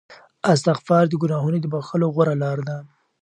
استغفار د ګناهونو د بخښلو غوره لاره ده.